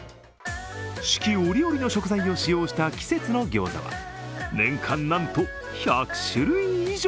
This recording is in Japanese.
四季折々の食材を使用した季節のギョーザは、年間、なんと１００種類以上。